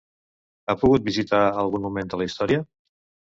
Ha pogut visitar algun moment de la història?